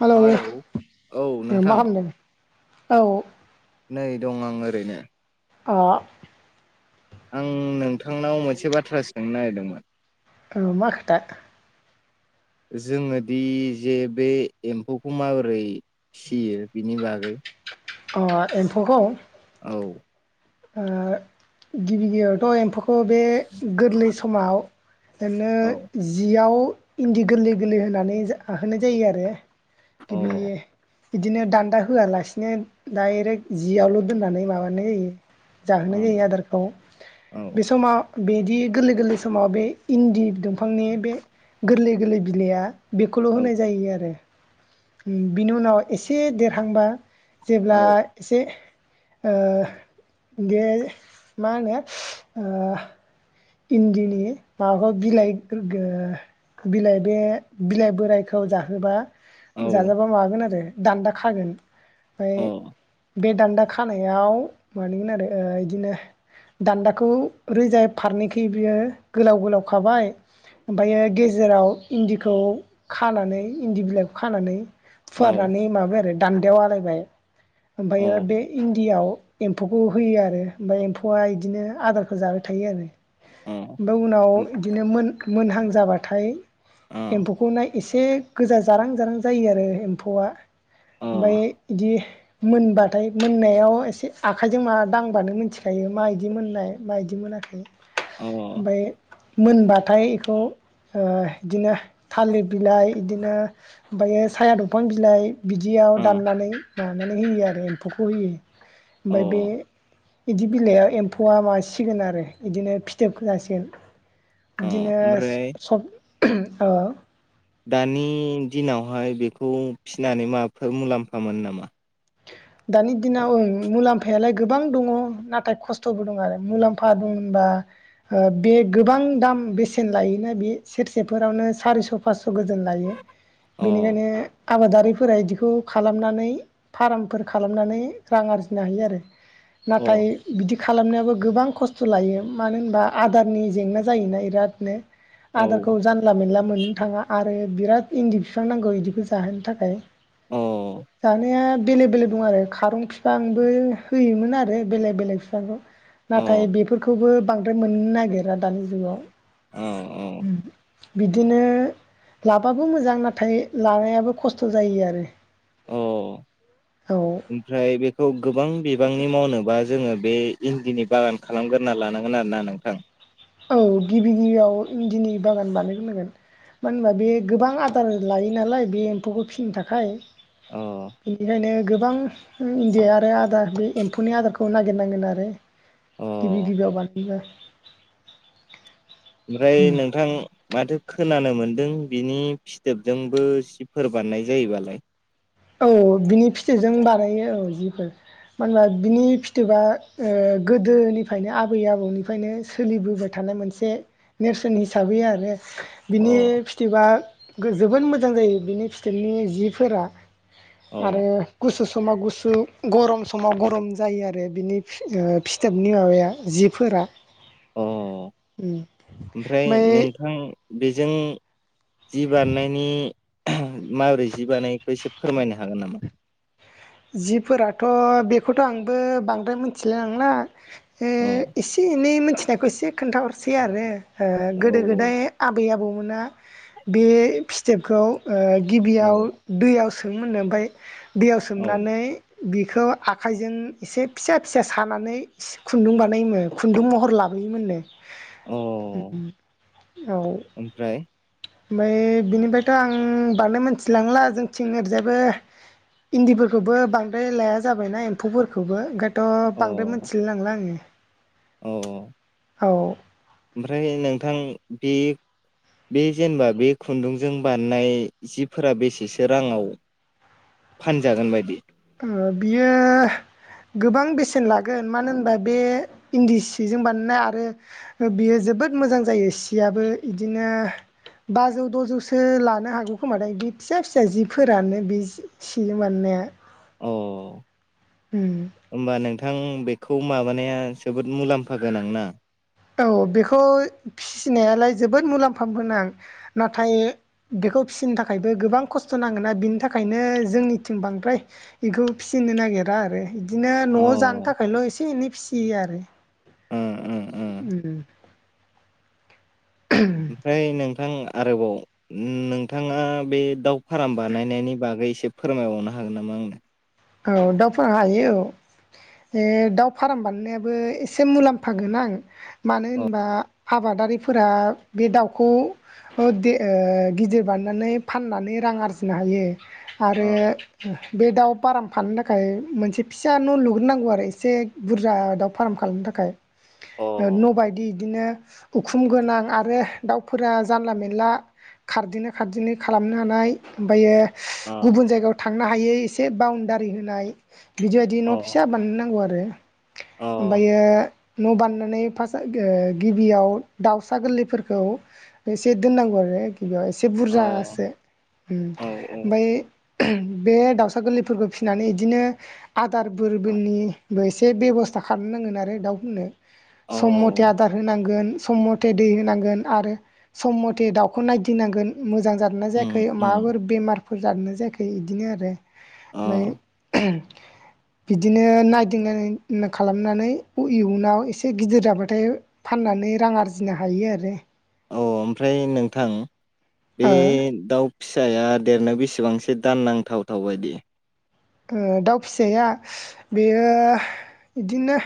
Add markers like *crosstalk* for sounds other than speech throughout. Hello hello औ नोंथां मा खालामदों औ। नै दं आं ओरैनो। ओ। आं नोंथांनाव मोनसे बाथ्रा सोंनो नागिरदोंमोन। औ मा खोथा। *inaudible* जोङोदि जे बे एम्फौखौ माबोरै फियो बिनि बागै। अ एम्फौखौ। औ। गिबि गिबियावथ'। एफुखौ बे गोरलै समाव ओरैनो औ जियाव। इन्दि गोरलै गोरलै होनानै जाहोनाय जायो आरो अ औ गिबि। बिदिनो दान्दा होआलासिनो दायरेक्ट जियावल' दोननानै माबानाय जायो। जाहोनाय औ जायो आदारखौ औ बे समाव बिदि गोरलै गोरलै समाव बे इन्दि दंफांनि बे गोरलै गोरलै बिलाइआ। बेखौल' औ होनाय जायो आरो बिनि उनाव एसे देरहांबा। अ जेब्ला एसे ओ। दे मा होनो आ। इन्दिनि माबाखौ बिलाइ बिलाइ बे बिलाइ बोरायखौ जाहोबा। औ अ जाजाबा मागोन आरो दान्दा खागोन ओमफ्राय अ बे दान्दा खानायाव मानगोन आरो बिदिनो दान्दाखौ रोजा फारनैखै बियो गोलाव गोलाव खाबाय। ओमफ्रायो गेजेराव इन्दिखौ खानानै इन्दि बिलाइखौ खानानै। अ फुवारनानै माबाय आरो दान्देायाव आलायबाय। ओफायो बे इनडियाआव एम्फौखौ होयो आरो ओमफ्राय एम्फौआ बिदिनो आदारखौ जाबाय थायो आरो। ओमफाय उनाव इदिनो मोन मोनहां जाबाथाय अ एम्फौखौ नाय एसे गोजा जारां जारां जायो आरो एम्फौआ। ओमफाय इदि मोनबाथाय मोननायाव एसे आखाइजों माबा दांबानो मोनथिखायो। मा इदि मोननाय मा इदि मोनाखै अ ओमफाय मोनबाथाय इखौ ओ इदिनो थालिर बिलाइ इदिनो ओमफायो साया दंफां बिलाइ बिदियाव अ दाननानै मानानै होयो आरो एम्फौखौ होयो ओमफाय बे इदि बिलाइयाव एम्फौआ मासिगोन आरो इदिनो फिथोबखो जासिगोन। दिनो ओमफ्राय सब ओ। *unintelligible* हाय बेखौ फिसिनानै माबाफोर मुलाम्फा मोन नामा। दानि दिनाव ओं मुलाम्फायालाय गोबां दङ नाथाय खस्थ'बो दं आरो मुलाम्फा दं होनबा ओ बे गोबां दाम बेसेन लायोना बे सेरसेफोरावनो सारिस' फासस' *unintelligible* लायो अ बेनिखायनो आबादारिफोरा बिदिखौ खालामनानै फार्म फोरबो खालामनानै रां आरजिनो हायो आरो नाथाय अ बिदि खालामनायाबो गोबां खस्थ' लायो मानो होनबा आदारनि जेंना जायोना इरादनो। औ आदारखौ जानला मेनला मोननो थाङा आ बिराद इन्दि बिफां नांगौ इदिखौ जाहोनो थाखाय अ *unintelligible* *unintelligible* दं आरो खारुं फिफांबो होयोमोन आरो बेलेग- बेलेग फिफांखौ। औ नाथाय बेफोरखौबो बांद्राय मोननो नागिरा दानि औ जुगाव। बिदिनो लाबाबो मोजां नाथाय लानायाबो खस्थ' जायो आरो। औ औ ओमफ्राय बेखौ गोबां बिबांनि मावनोबा जोङो बे इन्दिनि बागान खालामग्रोना लानांगोन आरोना नोंथां। औ गिबि गिबियाव इन्दिनि बागान बानायग्रोनांगोन। मानो होनबा बे गोबां आदार लायो नालाय बे एम्फौखौ फिनो थाखाय। अ बेनिखायनो गो बां इन्दि आरो आदार बे एम्फौनि आदारखौ नागिरनांगोन आरो। अ गिबिगिबियाव *unintelligible* ओमफ्राय उम नोंथां माथो खोनानो मोनदों बिनि फिथोबजोंबो जिफोर बानाय जायोबालाय। औ बिनि फिथजों बानायो औ जिफोर। मानो होनबा बिनि फिथोबा ओ गोदोनिफायनो आबै आबौनिफायनो सोलिबोबाय था नाय मोनसे नेरसोन हिसाबै आरो बिनि अ फिथोबा गो जोबोद मोजां जायो बिनि फिथोबनि जिफोरा। आरो अ गुसु समाव गुसु गरम समाव गरम जायो आरो बिनि ओ फिथोबनि माबाया जिफोरा। अ उम ओमफ्राय ओमबाय नोंथां बेजों जि बानायनायनि माबोरै जि बानायो इखो एसे फोरमायनो हागोन नामा। जिफोराथ' बेखौथ' आंबो बांद्राय मिथिलाय लांला ए अ एसे एनै मोनथिनायखौ एसे खोन्थाहरसै आरो। ओ औ गोदो -गोदाय आबै आबौमोना बे फिथोबखौ ओ औ गिबियाव दैयाव सोमोमोननो ओमफाय दैयाव औ सोमनानै बिखौ आखाइजों एसे फिसा -फिसा सानानै खुन्दुं बानायोनो खुन्दुं महर लाबो योमोननो अ उम औ ओमफ्राय ओमफाय बिनिफ्रायथ' आं बांद्राय मोनथिलांला जोंनिथिं ओरैजाबो इन्दिफोरखौबो बांद्राय लाया जाबायना एम्फौफोरखौबो ओंखायथ' बांद्राय मोनथिलाय लांला आङो। औ अ औ ओमफ्राय नोंथां बे बे जेनेबा बे खुन्दुंजों बानायनाय जिफोरा बेसेसो राङाव फानजागोन बायदि? ओ बियो गोबां बेसेन लागोन मानो होनबा बे इन्दि सिजों बानायनाय आरो बियो जोबोद मोजां जायो सियाबो इदिनो बाजौ द'जौसो लानो हागौ खोमाथाय बे फिसा फिसा जिफोरानो बे सिजों बानायनाया । अ । होमबा नोंथां बेखौ माबानाया जोबोद मुलाम्फा गोनां ना? औ बेखौ फि सिनायालाय जोबोद मुलाम्फा गोनां नाथाय बेखौ फिसिनो थाखायबो गोबां खस्थ' नां गोना बिनि थाखायनो जोंनिथिं बांद्राय बेखौ फिसिनो नागिरा आरो । बिदिनो न'आव जानो ओं थाखायल' एसे एनै फिसियो आरो । ओं ओं उम । ओमफ्राय नोंथां आरोबाव नोंथाङा बे दाउ फार्म बानायनायनि बागै एसे फोरमायबावनो हागोन नामा आंनो? औ दाउ फार हायो औ जे दाउ फार्म बानायनायाबो एसे मुलाम्फाागोनां मानो अ होनबा आबादारिफोरा बे दाउखौ ओ दे ओ गिदिर बानायनानै फाननानै रां आरजिनो हायो आरो अ ओ बे दाउ फाराम फानो थाखाय मोनसे फिसा न' लुग्रोनांगौ आरो एसे बुरजा दाउ फार्म खालामनो थाखाय ओ न' अ बायदि बिदिनो उखुम गोनां आरो दाउफोरा जानला मेनला खारदिनो खारदिनो खालामनो हानाय ओमफ्रायो गुबुन जायगायाव थांनो हायै एसे बाउण्डारि होनाय बिदि बायदि अ न' फिसा बानायनांगौ आरो अ ओमफ्रायो न' बानायनानै फास ओ गिबियाव दाउसा गोरलैफोरखौ एसे दोननांगौ आरो बेयाव एसे अ बुरजासो ओम औ ओमफ्राय बे दाउ सा गोरलैफोरखौ फिसिनानै बिदिनो आदार फोरनिबो एसे बेब'स्था खालामनांगोन आरो दाउफोरनो सम मथे औ आदार होनांगोन सम मथे दै होनांगोन आरो सम मथे दाउखौ नायदिनांगोन मोजां जादोंना उम जायाखै उम माबाफोर बेमारफोर जादोंना जायाखै बिदिनो आरो अ ओमफ्राय *inaudible* बिदिनो नायदिंनाय खालामनानै इयुनाव एसे गिदिर जाबाथाय फानना नै रां आरजिनो हायो आरो औ ओमफ्राय नोंथां बे ओ दाउ फिसाया देरनायाव बेसेबांसो दाननांथावथाव बायदि? ओ दाउ फिसाया बेयो बिदिनो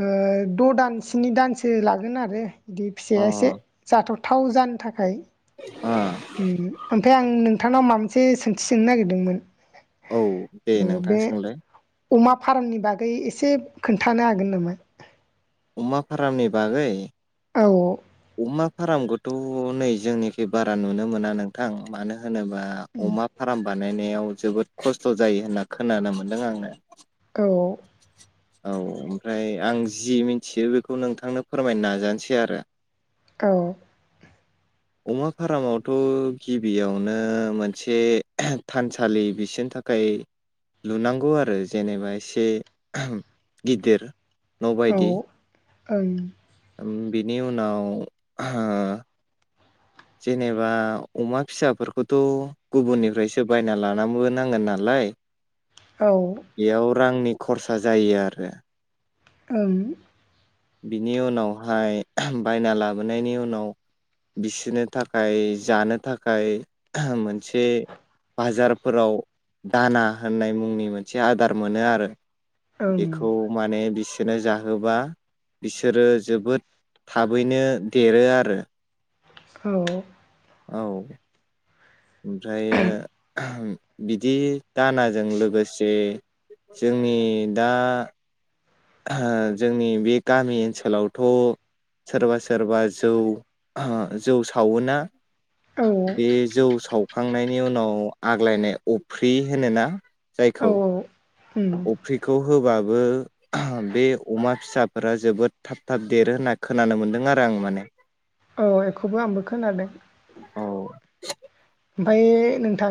ओ द' दान स्नि दानसो लागोन आरो बिदि अ फिसाया एसे जाथावथाव जानो थाखाय ओम ओमफ्राय आं नोंथांनाव माबा मोनसे सोंथि सोंनो नागिरदोंमोन? औ दे ओ नोंथां बे सोंलाय अमा फार्मनि बागै एसे खोन्थानो हागोन नामा? अमा फारामनि बागै औ अमा फार्मखौथ' नै जोंनिखि बारा नुनो मोना नोंथां मानो हो होनोबा अमा फार्म बानायनायाव जोबोद खस्थ' जायो होनना खोनानो मोन्दों आङो औ औ ओमफ्राय आं जि मिथियो बेखौ नोंथांनो फोरमायनो नाजानोसै आरो औ *inaudible* अमा फारामावथ' गिबियावनो मोनसे थानसालि बिसोरनि था खाय लुनांगौ आरो जेनेबा एसे गिदिर न' बायदि ओं उम बिनि उनाव ओ जेनेबा अमा फिसाफोरखौथ' गुबुननिफ्रायसो बायना लानाबोनांगोन नालाय औ बेयाव रांनि खरसा जायो आरो ओं बिनि उनावहाय बायना लाबोनायनि उनाव बिसोरनो थाखाय जानो थाखाय मोनसे बाजारफोराव दाना होननाय मुंनि मोनसे आदार मोनो आरो ओं बेखौ माने बिसोरनो जाहोबा बिसोरो जोबोद थाबैनो देरो आरो औ औ ओमफ्राय बिदि दानाजों लोगोसे जोंनि दा ओ जोंनि बे गामि ओनसोलावथ' सोरबा सोरबा जौ जौ सावोना । औ बे जौ सावखांनायनि उनाव आग्लायनाय अफ्रि होनोना औ जायखौ उम अफ्रिखौ होबा बो बे अमा फिसाफोरा जोबोद थाब थाब देरो होनना खोनानो मोनदों आरो आं माने । औ बेखौबो आंबो खोनादों । औ ओमफाय नोंथां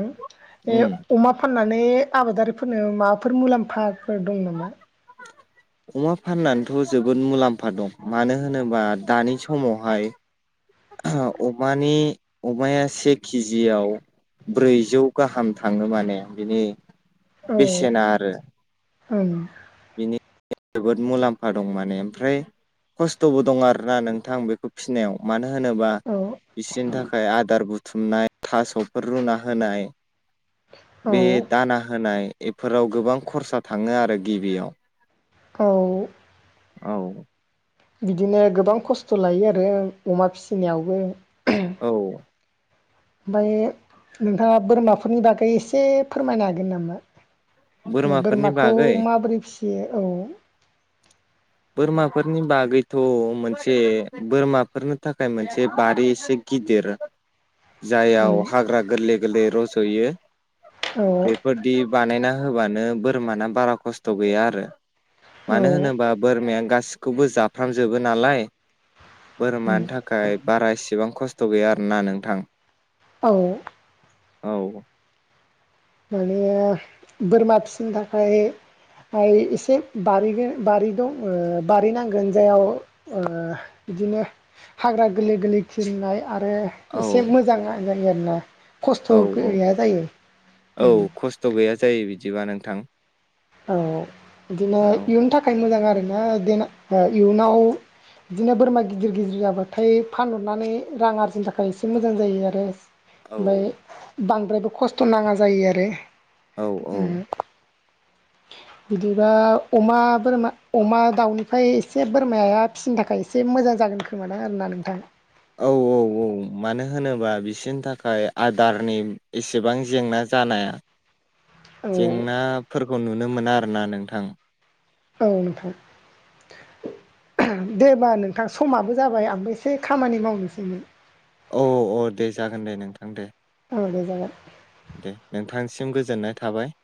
ए उम अमा फानना नै आबादारिफोरनो माबाफोर मुलाम्फाफोर दं नामा । अमा फाननानैथ' जोबोद मुलाम्फा दं मानो होनोबा दानि समावहाय अमानि अमाया से के जि आव ब्रैजौ गाहाम थाङो माने बिनि ओं बेसेना आरो । औ बिनि जोबोद मुलाम्फा दं माने ओमफ्राय खस्थ'बो दं आरोना नोंथां बेखौ फिसिनायाव मानो होनोबा औ बिसोरनि थाखाय आदार बुथुमनाय थास'फोर रुना होनाय औ बे दाना होनाय इफोराव गोबां खरसा थाङो आरो गिबियाव । औ औ बिदिनो गोबां खस्थ' लायो आरो अमा फिसिनायावबो । औ ओमफ्राय नोंथाङा बोरमाफोरनि बागै एसे फोरमायनो हागोन नामा? बोरमाफोरनि बोरमाखौ बागै माबोरै फिसियो औ बोरमाफोरनि बागैथ' मोनसे बोरमाफोरनो थाखाय मोनसे बारि एसे गिदिर जाययाव उम हाग्रा गोरलै गोरलै रज'यो औ बेफोरदि बानायना होबानो बोरमाना बारा खथ' गैया आरो औ मानो होनोबा बोरमाया गासिखौबो जाफ्रामजोबो नालाय उम बोरमानि थाखाय बारा इसेबां खस्थ' गैया आरोना नोंथां । औ औ माने बोरमा फिसिनो थाखाय एसे बारि बारि दं ओ बारि नांगोन जायाव ओ बिदिनो हाग्रा गोरलै गोरलै खिनाय आरो औ एसे मोजां आ जायो आरोना खस्थ' औ औ गैया जायो । औ खस्थ' गैया जायो बिदिबा नोंथां । औ औ बिदिनो इयुनि थाखाय मोजां आरोना इयुनाव बिदिनो बोरमा गिदिर गिदिर जाबाथाय फानहरनानै रां आरजिनो थाखाय एसे मोजां जायो आरो औ ओमबाय बांद्रायबो खस्थ' नाङा जायो आरो । औ औ बिदिबा अमा बोरमा अमा दाउनिफाय एसे बोरमाया फिसिनो थाखाय एसे मोजां जागोन खोमादां आरो ना नोंथां । औ औ औ औ मानो होनोबा बिसोरनि थाखाय आदारनि एसेबां जेंना जानाया । औ जेंनाफोरखौ नुनो मोना आरोना नोंथां । औ नोंथां । दे होमबा नोंथां समाबो जाबाय आंबो एसे खामानि मावनोसैमोन । औ औ दे जागोन दे नोंथां दे औ दे जागोन दे नोंथां सिम गोजोननाय थाबाय।